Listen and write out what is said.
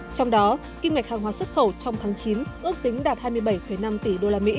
trong đó kinh mệch hàng hóa xuất khẩu trong tháng chín ước tính đạt hai mươi bảy năm tỷ usd